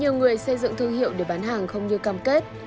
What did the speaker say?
nhiều người xây dựng thương hiệu để bán hàng không như cam kết